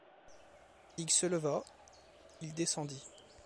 Il se leva, il descendit.